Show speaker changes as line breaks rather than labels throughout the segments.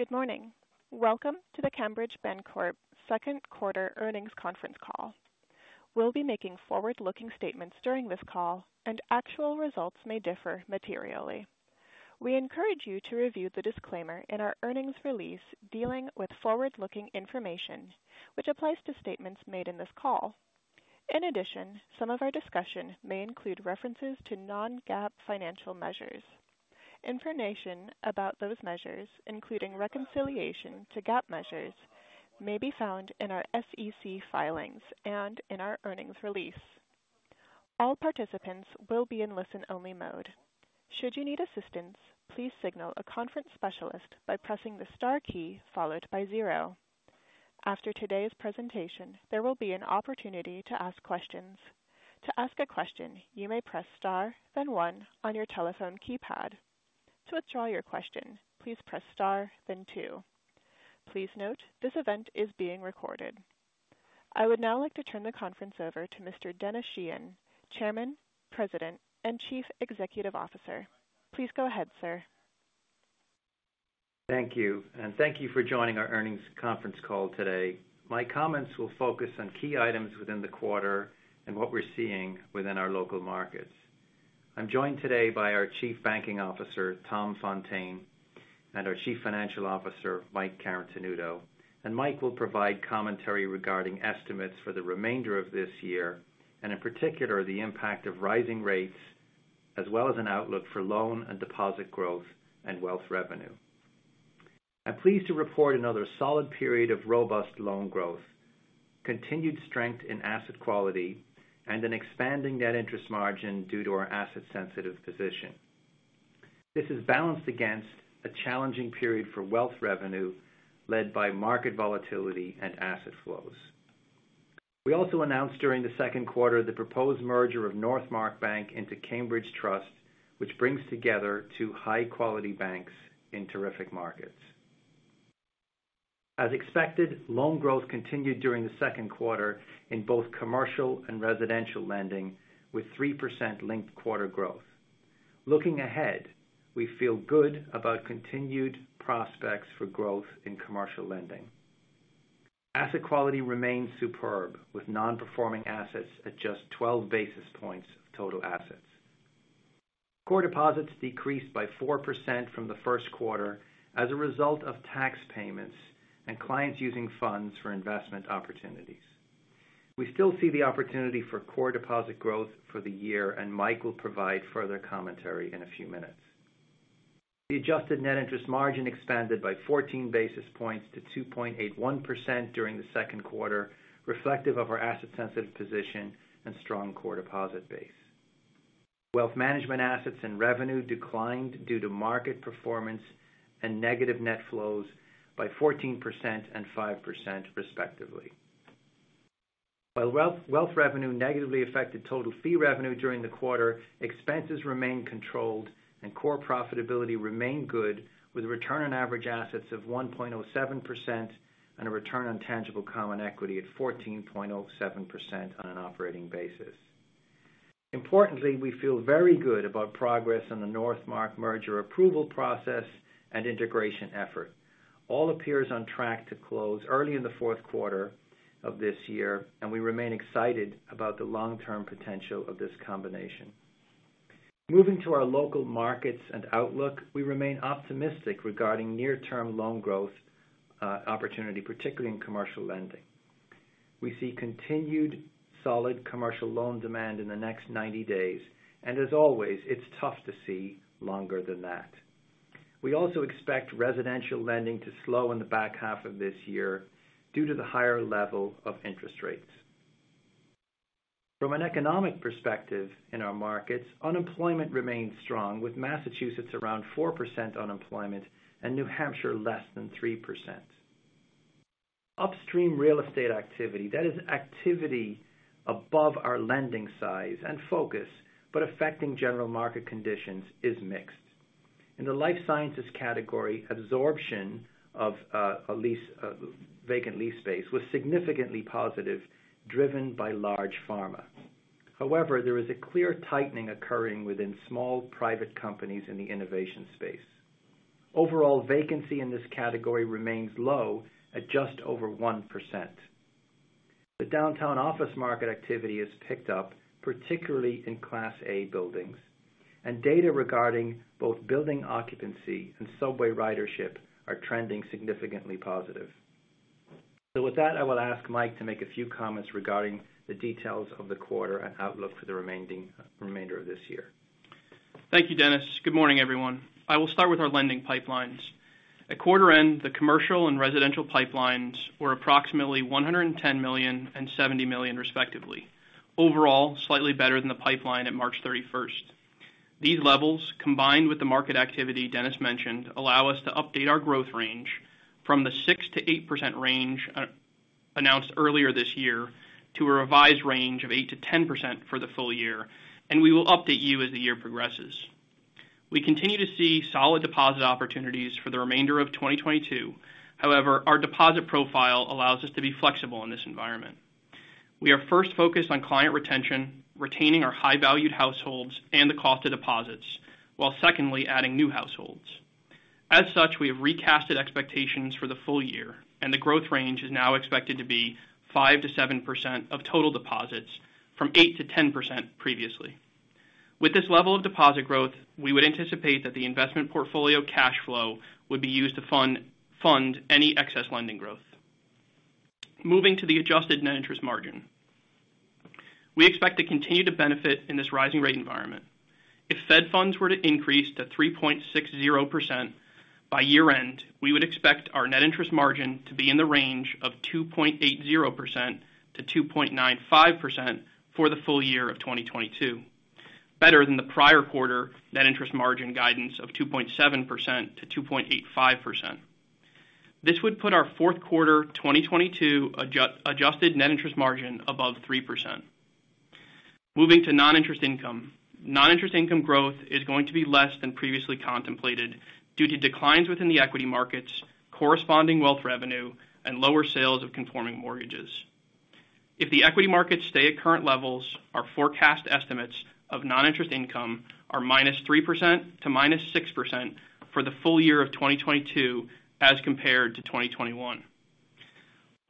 Good morning. Welcome to the Cambridge Bancorp second quarter earnings conference call. We'll be making forward-looking statements during this call and actual results may differ materially. We encourage you to review the disclaimer in our earnings release dealing with forward-looking information, which applies to statements made in this call. In addition, some of our discussion may include references to non-GAAP financial measures. Information about those measures, including reconciliation to GAAP measures, may be found in our SEC filings and in our earnings release. All participants will be in listen-only mode. Should you need assistance, please signal a conference specialist by pressing the star key followed by zero. After today's presentation, there will be an opportunity to ask questions. To ask a question, you may press Star, then one on your telephone keypad. To withdraw your question, please press Star, then two. Please note this event is being recorded. I would now like to turn the conference over to Mr. Denis Sheahan, Chairman, President, and Chief Executive Officer. Please go ahead, sir.
Thank you, and thank you for joining our earnings conference call today. My comments will focus on key items within the quarter and what we're seeing within our local markets. I'm joined today by our Chief Banking Officer, Tom Fontaine, and our Chief Financial Officer, Mike Carotenuto. Mike will provide commentary regarding estimates for the remainder of this year and in particular, the impact of rising rates as well as an outlook for loan and deposit growth and wealth revenue. I'm pleased to report another solid period of robust loan growth, continued strength in asset quality, and an expanding net interest margin due to our asset-sensitive position. This is balanced against a challenging period for wealth revenue led by market volatility and asset flows. We also announced during the second quarter the proposed merger of Northmark Bank into Cambridge Trust, which brings together two high-quality banks in terrific markets. As expected, loan growth continued during the second quarter in both commercial and residential lending, with 3% linked quarter growth. Looking ahead, we feel good about continued prospects for growth in commercial lending. Asset quality remains superb, with non-performing assets at just 12 basis points of total assets. Core deposits decreased by 4% from the first quarter as a result of tax payments and clients using funds for investment opportunities. We still see the opportunity for core deposit growth for the year, and Mike will provide further commentary in a few minutes. The adjusted net interest margin expanded by 14 basis points to 2.81% during the second quarter, reflective of our asset-sensitive position and strong core deposit base. Wealth management assets and revenue declined due to market performance and negative net flows by 14% and 5% respectively. While wealth revenue negatively affected total fee revenue during the quarter, expenses remained controlled and core profitability remained good, with Return on Average Assets of 1.07% and a Return on Tangible Common Equity at 14.07% on an operating basis. Importantly, we feel very good about progress on the Northmark merger approval process and integration effort. All appears on track to close early in the fourth quarter of this year, and we remain excited about the long-term potential of this combination. Moving to our local markets and outlook. We remain optimistic regarding near-term loan growth, opportunity, particularly in commercial lending. We see continued solid commercial loan demand in the next 90 days. As always, it's tough to see longer than that. We also expect residential lending to slow in the back half of this year due to the higher level of interest rates. From an economic perspective in our markets, unemployment remains strong, with Massachusetts around 4% unemployment and New Hampshire less than 3%. Upstream real estate activity, that is activity above our lending size and focus, but affecting general market conditions is mixed. In the life sciences category, absorption of leasable vacant space was significantly positive, driven by large pharma. However, there is a clear tightening occurring within small private companies in the innovation space. Overall, vacancy in this category remains low at just over 1%. The downtown office market activity has picked up, particularly in Class A buildings, and data regarding both building occupancy and subway ridership are trending significantly positive. With that, I will ask Mike to make a few comments regarding the details of the quarter and outlook for the remainder of this year.
Thank you, Denis. Good morning, everyone. I will start with our lending pipelines. At quarter end, the commercial and residential pipelines were approximately $110 million and $70 million, respectively. Overall, slightly better than the pipeline at March 31. These levels, combined with the market activity Denis mentioned, allow us to update our growth range from the 6%-8% range announced earlier this year to a revised range of 8%-10% for the full year. We will update you as the year progresses. We continue to see solid deposit opportunities for the remainder of 2022. However, our deposit profile allows us to be flexible in this environment. We are first focused on client retention, retaining our high valued households and the cost of deposits, while secondly, adding new households. As such, we have recasted expectations for the full year, and the growth range is now expected to be 5%-7% of total deposits from 8%-10% previously. With this level of deposit growth, we would anticipate that the investment portfolio cash flow would be used to fund any excess lending growth. Moving to the adjusted net interest margin. We expect to continue to benefit in this rising rate environment. If Fed funds were to increase to 3.60% by year-end, we would expect our net interest margin to be in the range of 2.80%-2.95% for the full year of 2022, better than the prior quarter net interest margin guidance of 2.7%-2.85%. This would put our fourth quarter 2022 adjusted net interest margin above 3%. Moving to non-interest income. Non-interest income growth is going to be less than previously contemplated due to declines within the equity markets, corresponding wealth revenue, and lower sales of conforming mortgages. If the equity markets stay at current levels, our forecast estimates of non-interest income are -3% to -6% for the full year of 2022 as compared to 2021.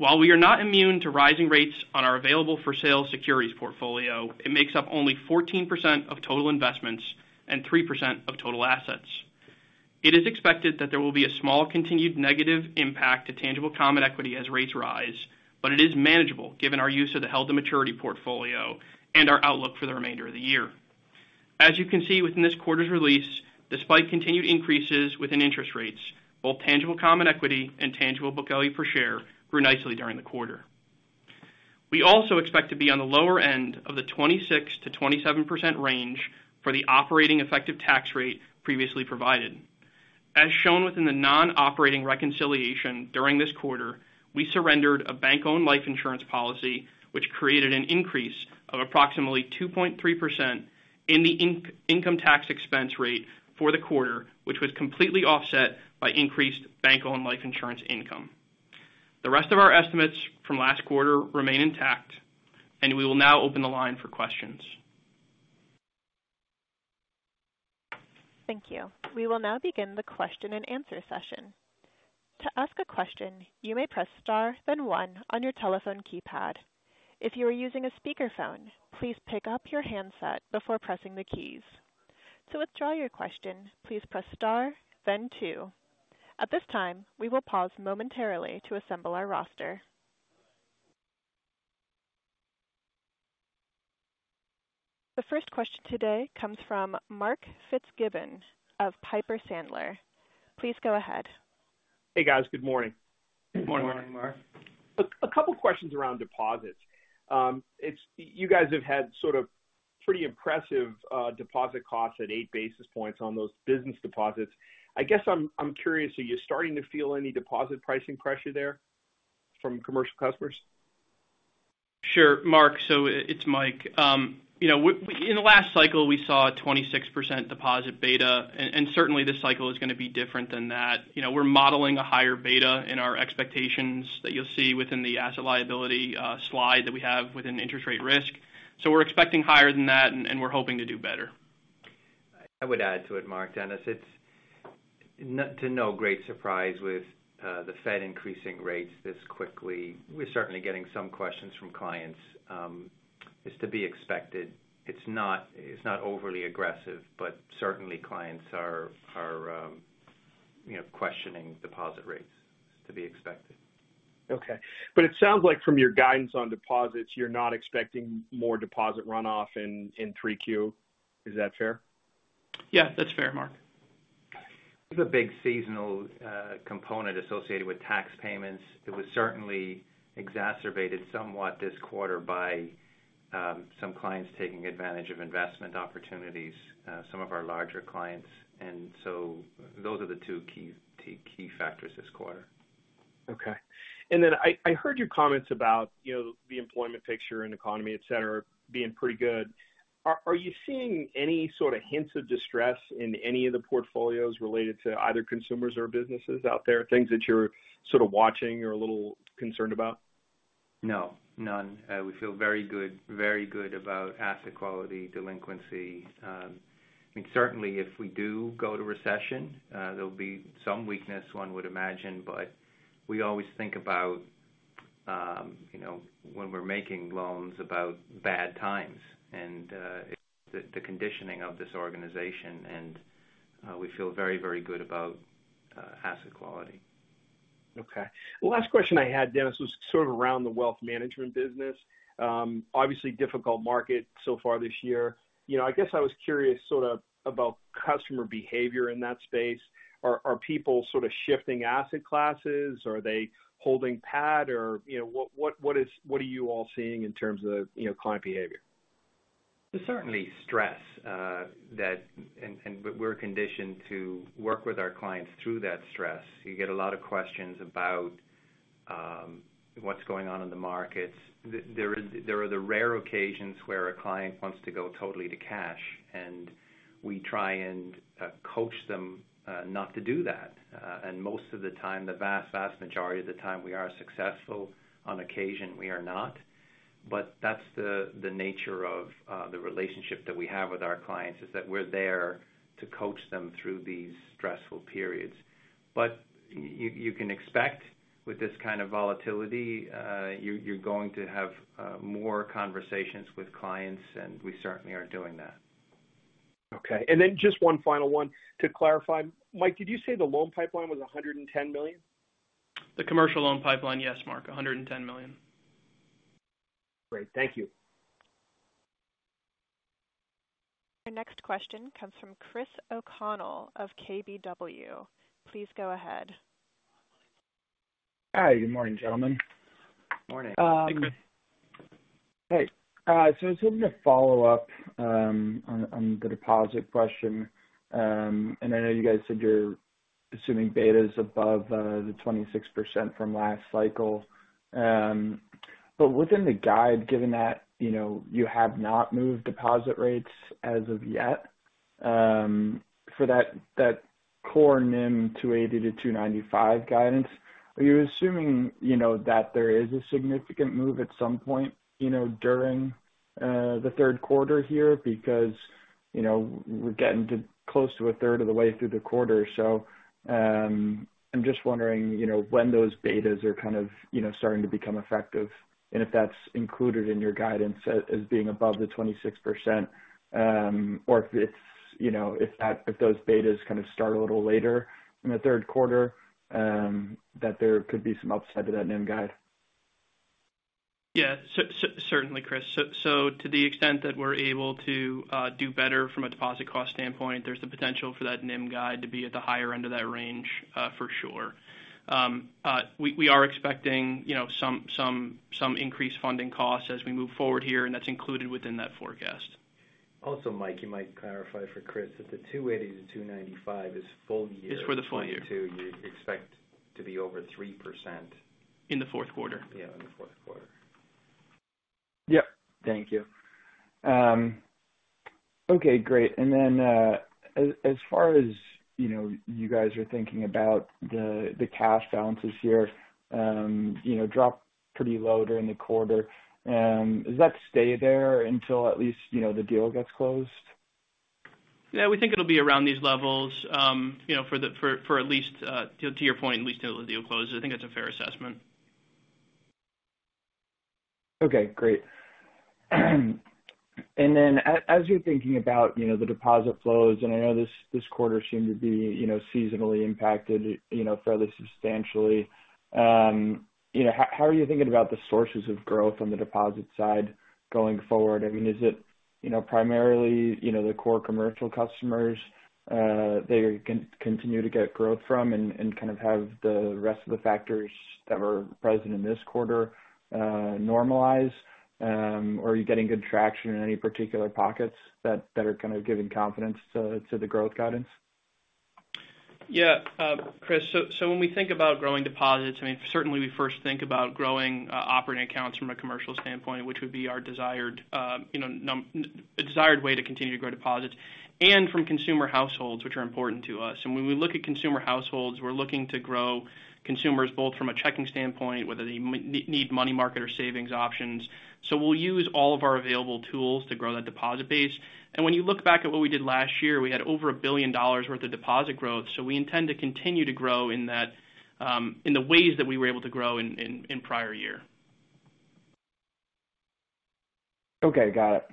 While we are not immune to rising rates on our available for sale securities portfolio, it makes up only 14% of total investments and 3% of total assets. It is expected that there will be a small continued negative impact to tangible common equity as rates rise, but it is manageable given our use of the held to maturity portfolio and our outlook for the remainder of the year. As you can see within this quarter's release, despite continued increases within interest rates, both tangible common equity and tangible book value per share grew nicely during the quarter. We also expect to be on the lower end of the 26%-27% range for the operating effective tax rate previously provided. As shown within the non-operating reconciliation during this quarter, we surrendered a bank-owned life insurance policy, which created an increase of approximately 2.3% in the income tax expense rate for the quarter, which was completely offset by increased bank-owned life insurance income. The rest of our estimates from last quarter remain intact, and we will now open the line for questions.
Thank you. We will now begin the question-and-answer session. To ask a question, you may press Star, then One on your telephone keypad. If you are using a speakerphone, please pick up your handset before pressing the keys. To withdraw your question, please press Star then Two. At this time, we will pause momentarily to assemble our roster. The first question today comes from Mark Fitzgibbon of Piper Sandler. Please go ahead.
Hey, guys. Good morning.
Good morning.
Good morning, Mark.
A couple of questions around deposits. It's you guys have had sort of pretty impressive deposit costs at 8 basis points on those business deposits. I guess I'm curious, are you starting to feel any deposit pricing pressure there from commercial customers?
Sure. Mark, it's Mike. You know, in the last cycle, we saw a 26% deposit beta, and certainly this cycle is gonna be different than that. You know, we're modeling a higher beta in our expectations that you'll see within the asset liability slide that we have within the interest rate risk. We're expecting higher than that and we're hoping to do better.
I would add to it, Mark, Dennis. It's no great surprise with the Fed increasing rates this quickly. We're certainly getting some questions from clients. It's to be expected. It's not overly aggressive, but certainly clients are, you know, questioning deposit rates. It's to be expected.
Okay. It sounds like from your guidance on deposits, you're not expecting more deposit runoff in 3Q. Is that fair?
Yeah, that's fair, Mark.
There's a big seasonal component associated with tax payments. It was certainly exacerbated somewhat this quarter by some clients taking advantage of investment opportunities, some of our larger clients. Those are the two key factors this quarter.
Okay. I heard your comments about, you know, the employment picture and economy, et cetera, being pretty good. Are you seeing any sort of hints of distress in any of the portfolios related to either consumers or businesses out there, things that you're sort of watching or a little concerned about?
No, none. We feel very good about asset quality, delinquency. I mean, certainly if we do go to recession, there'll be some weakness, one would imagine. We always think about, you know, when we're making loans about bad times and the conditioning of this organization. We feel very, very good about asset quality.
Okay. The last question I had, Denis, was sort of around the wealth management business. Obviously difficult market so far this year. You know, I guess I was curious sort of about customer behavior in that space. Are people sort of shifting asset classes? Are they holding PAT or, you know, what are you all seeing in terms of, you know, client behavior?
There's certainly stress that we're conditioned to work with our clients through that stress. You get a lot of questions about what's going on in the markets. There are the rare occasions where a client wants to go totally to cash, and we try and coach them not to do that. Most of the time, the vast majority of the time, we are successful. On occasion, we are not. That's the nature of the relationship that we have with our clients, is that we're there to coach them through these stressful periods. You can expect with this kind of volatility, you're going to have more conversations with clients, and we certainly are doing that.
Okay. Just one final one to clarify. Mike, did you say the loan pipeline was $110 million?
The commercial loan pipeline, yes, Mark, $110 million.
Great. Thank you.
Your next question comes from Chris O'Connell of KBW. Please go ahead.
Hi, good morning, gentlemen.
Morning.
Hey, Chris.
Hey. I was hoping to follow up on the deposit question. I know you guys said you're assuming beta's above the 26% from last cycle. Within the guidance, given that, you know, you have not moved deposit rates as of yet for that core NIM 2.80%-2.95% guidance, are you assuming, you know, that there is a significant move at some point, you know, during the third quarter here? Because, you know, we're getting too close to a third of the way through the quarter. I'm just wondering, you know, when those betas are kind of, you know, starting to become effective, and if that's included in your guidance as being above the 26%, or if it's, you know, if those betas kind of start a little later in the third quarter, that there could be some upside to that NIM guide.
Yeah. Certainly, Chris. To the extent that we're able to do better from a deposit cost standpoint, there's the potential for that NIM guide to be at the higher end of that range, for sure. We are expecting, you know, some increased funding costs as we move forward here, and that's included within that forecast.
Also, Mike, you might clarify for Chris that the 2.80%-2.95% is full year.
It's for the full year.
You expect to be over 3%.
In the fourth quarter.
Yeah, in the fourth quarter.
Yep. Thank you. Okay, great. As far as you know, you guys are thinking about the cash balances here, you know, dropped pretty low during the quarter. Does that stay there until at least, you know, the deal gets closed?
Yeah, we think it'll be around these levels, you know, for at least, to your point, at least till the deal closes. I think that's a fair assessment.
Okay, great. As you're thinking about, you know, the deposit flows, and I know this quarter seemed to be, you know, seasonally impacted, you know, fairly substantially. You know, how are you thinking about the sources of growth on the deposit side going forward? I mean, is it, you know, primarily, you know, the core commercial customers that you continue to get growth from and kind of have the rest of the factors that were present in this quarter normalize? Are you getting good traction in any particular pockets that are kind of giving confidence to the growth guidance?
Yeah. Chris, so when we think about growing deposits, I mean, certainly we first think about growing operating accounts from a commercial standpoint, which would be our desired, you know, a desired way to continue to grow deposits, and from consumer households, which are important to us. When we look at consumer households, we're looking to grow consumers both from a checking standpoint, whether they may need money market or savings options. We'll use all of our available tools to grow that deposit base. When you look back at what we did last year, we had over $1 billion worth of deposit growth. We intend to continue to grow in that, in the ways that we were able to grow in prior year.
Okay, got it.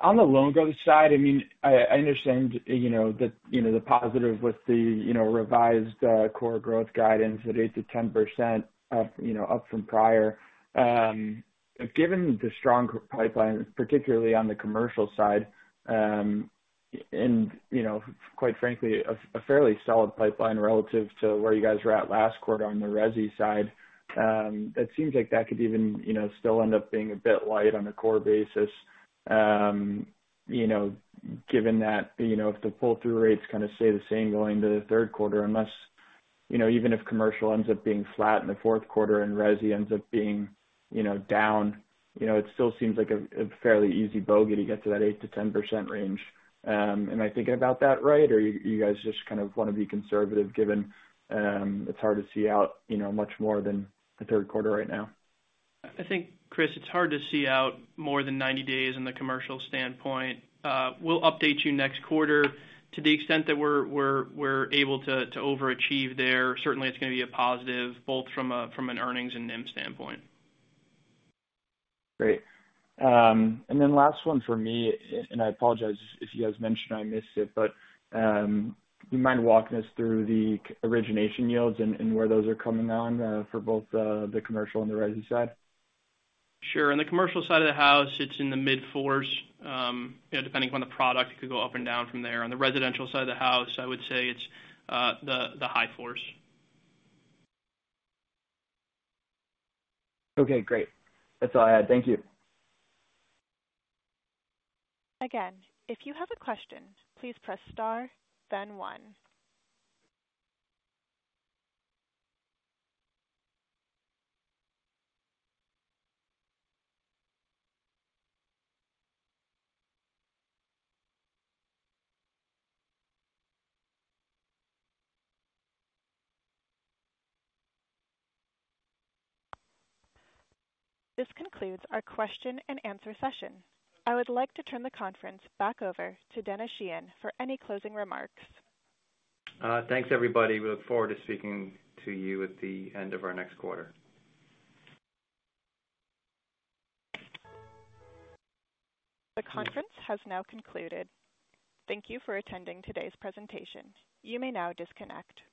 On the loan growth side, I mean, I understand, you know, the positive with the, you know, revised core growth guidance at 8%-10% up, you know, up from prior. Given the strong pipeline, particularly on the commercial side, and, you know, quite frankly, a fairly solid pipeline relative to where you guys were at last quarter on the resi side, it seems like that could even, you know, still end up being a bit light on a core basis. You know, given that, you know, if the pull-through rates kind of stay the same going to the third quarter, unless, you know, even if commercial ends up being flat in the fourth quarter and resi ends up being, you know, down, you know, it still seems like a fairly easy bogey to get to that 8%-10% range. Am I thinking about that right? Or are you guys just kind of want to be conservative given it's hard to see out, you know, much more than the third quarter right now?
I think, Chris, it's hard to see out more than 90 days in the commercial standpoint. We'll update you next quarter. To the extent that we're able to overachieve there. Certainly it's going to be a positive both from an earnings and NIM standpoint.
Great. And then last one for me, and I apologize if you guys mentioned I missed it, but you mind walking us through the origination yields and where those are coming on for both the commercial and the resi side?
Sure. On the commercial side of the house, it's in the mid-fours. You know, depending on the product, it could go up and down from there. On the residential side of the house, I would say it's the high fours.
Okay, great. That's all I had. Thank you.
Again, if you have a question, please press star then one. This concludes our question-and-answer session. I would like to turn the conference back over to Denis Sheahan for any closing remarks.
Thanks, everybody. We look forward to speaking to you at the end of our next quarter.
The conference has now concluded. Thank you for attending today's presentation. You may now disconnect.